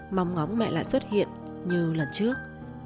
mong ngóng mẹ lại xuất hiện như lần trước